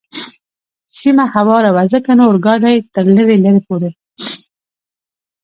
سیمه هواره وه، ځکه نو اورګاډی تر لرې لرې پورې.